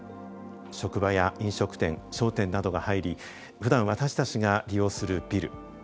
職場や飲食店商店などが入りふだん私たちが利用するビル。